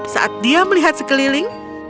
saat dia melihat sekeliling